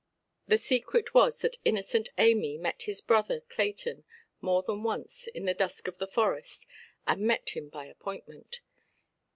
The secret was that innocent Amy met his brother Clayton, more than once, in the dusk of the forest, and met him by appointment.